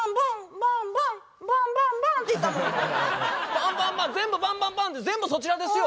バンバンバーン全部バンバンバーンって全部そちらですよ。